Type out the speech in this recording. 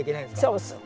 そうそう。